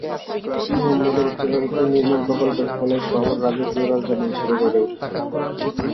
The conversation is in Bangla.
মুহাম্মদের উচ্চাকাঙ্ক্ষী নির্মাণ প্রকল্পের ফলে শহর রাজকীয় রাজধানী হিসেবে গড়ে উঠে।